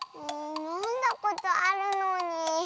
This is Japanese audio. のんだことあるのに。